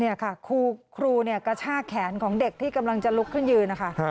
นี่ค่ะครูกระชากแขนของเด็กที่กำลังจะลุกขึ้นยืนนะคะ